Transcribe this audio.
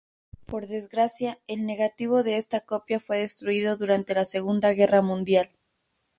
Por desgracia, el negativo de esta copia fue destruido durante la Segunda Guerra Mundial.